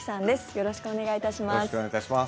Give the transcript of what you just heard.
よろしくお願いします。